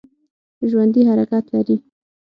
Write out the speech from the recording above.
ژوندي حرکت لري